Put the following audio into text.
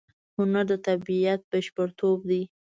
هنر د طبیعت بشپړتوب دی.